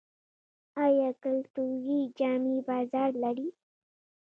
آیا کلتوري جامې بازار لري؟